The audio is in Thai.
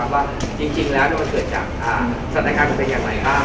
ว่าจริงแล้วมันเกิดจากสถานการณ์มันเป็นอย่างไรบ้าง